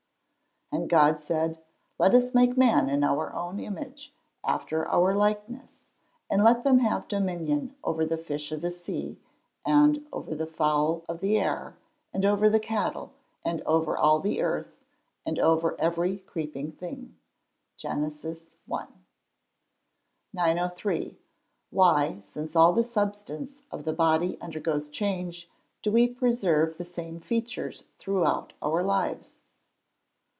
[Verse: "And God said, Let us make man in our own image, after our likeness; and let them have dominion over the fish of the sea, and over the fowl of the air, and over the cattle, and over all the earth, and over every creeping thing." GEN. I.] 903. _Why, since all the substance of the body undergoes change, do we preserve the same features throughout our lives?